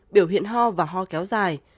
một biểu hiện ho và ho kéo dài